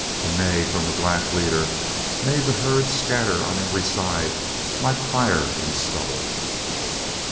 A neigh from the black leader made the herd scatter on every side like fire in stubble.